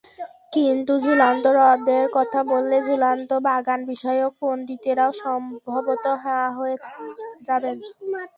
কিন্তু ঝুলন্ত হ্রদের কথা বললে ঝুলন্ত বাগানবিষয়ক পণ্ডিতেরাও সম্ভবত হাঁ হয়ে যাবেন।